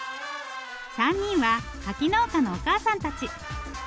３人は柿農家のおかあさんたち。